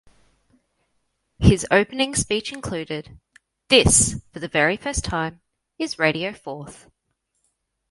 His opening speech included "This, for the very first time is Radio Forth".